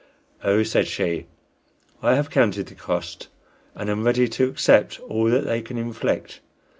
"Oh," said she, "I have counted the cost, and am ready to accept all that they can inflict.